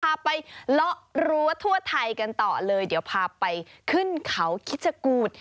พาไปเลาะรั้วทั่วไทยกันต่อเลยเดี๋ยวพาไปขึ้นเขาคิชกูธ